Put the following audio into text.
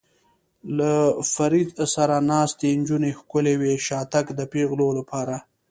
له فرید سره ناستې نجونې ښکلې وې، شاتګ د پېغلو لپاره.